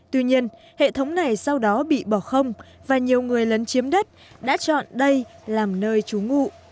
tuy nhiên hệ thống này sau đó bị bỏ không và nhiều người lấn chiếm đất đã chọn đây làm nơi trú ngụ